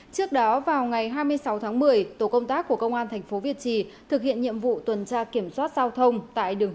trước đó vào ngày hai mươi sáu tháng một mươi tổ công tác của công an tp hcm thực hiện nhiệm vụ tuần tra kiểm soát giao thông